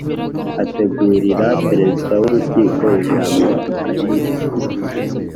ategurira Perezida w Urukiko ijambo aribuvuge